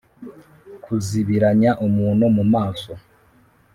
kuzibiranya umuntu mu maso